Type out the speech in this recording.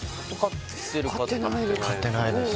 飼ってないです